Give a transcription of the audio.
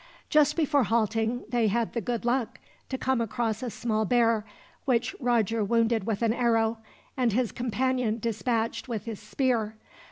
Just before halting they had the good luck to come across a small bear, which Roger wounded with an arrow, and his companion dispatched with his spear.